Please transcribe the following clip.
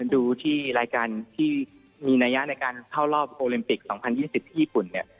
ดูที่รายการที่มีนัยะในการเข้ารอบโอลิมปิก๒๐๒๐ที่ญี่ปุ่นเนี่ย